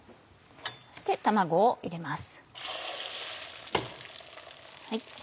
そして卵を入れます。